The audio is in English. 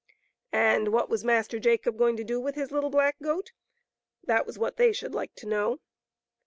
'* And what was Master Jacob going to do with his little black goat? That was what they should like to know.